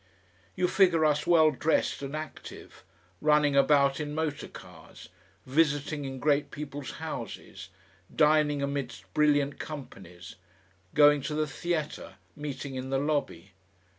You figure us well dressed and active, running about in motor cars, visiting in great people's houses, dining amidst brilliant companies, going to the theatre, meeting in the lobby.